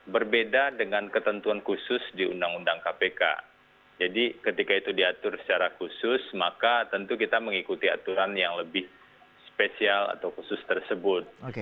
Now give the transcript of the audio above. berbeda dengan ketentuan khusus di undang undang kpk jadi ketika itu diatur secara khusus maka tentu kita mengikuti aturan yang lebih spesial atau khusus tersebut